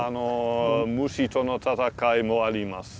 虫との闘いもありますね。